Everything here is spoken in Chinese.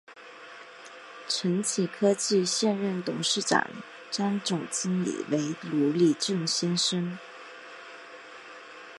承启科技现任董事长暨总经理为吕礼正先生。